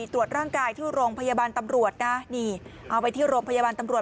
ตรวจร่างกายที่โรงพยาบาลตำรวจนะนี่เอาไปที่โรงพยาบาลตำรวจ